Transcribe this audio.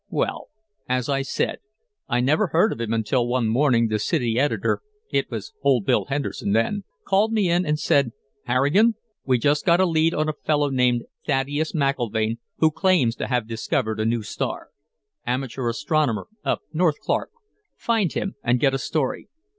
Well, as I said, I never heard of him until one morning the city editor it was old Bill Henderson then called me in and said, 'Harrigan, we just got a lead on a fellow named Thaddeus McIlvaine who claims to have discovered a new star. Amateur astronomer up North Clark. Find him and get a story.'